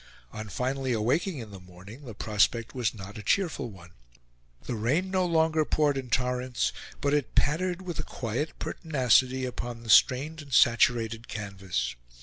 On finally awaking in the morning the prospect was not a cheerful one. The rain no longer poured in torrents; but it pattered with a quiet pertinacity upon the strained and saturated canvas.